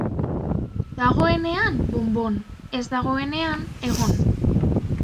Dagoenean bonbon, ez dagoenean egon.